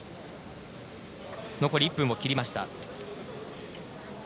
残り１分を切りました。